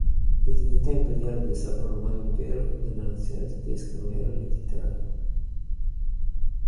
La dignità imperiale del Sacro Romano Impero della nazione tedesca non era ereditaria.